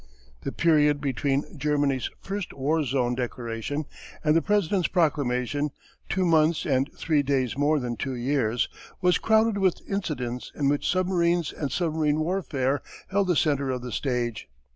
The period between Germany's first War Zone Declaration and the President's proclamation two months and three days more than two years was crowded with incidents in which submarines and submarine warfare held the centre of the stage.